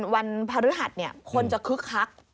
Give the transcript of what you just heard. วันพระฤหัสเนี่ยคนจะคึกคัก